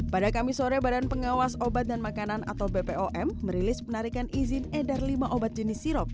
pada kamis sore badan pengawas obat dan makanan atau bpom merilis penarikan izin edar lima obat jenis sirop